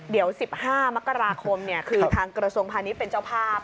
เดี๋ยว๑๕มกราคมคือทางกระทรวงพาณิชย์เป็นเจ้าภาพ